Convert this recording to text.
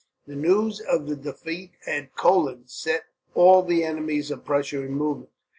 The news of the defeat at Kolin set all the enemies of Prussia in movement.